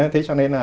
thế cho nên là